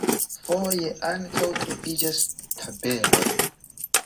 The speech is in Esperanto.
Foje ankaŭ troviĝas tabeloj.